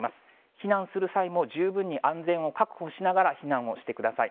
避難する際も、十分に安全を確保しながら避難をしてください。